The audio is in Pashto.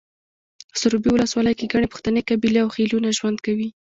سروبي ولسوالۍ کې ګڼې پښتنې قبیلې او خيلونه ژوند کوي